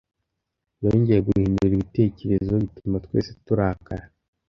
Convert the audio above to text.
Yongeye guhindura ibitekerezo, bituma twese turakara.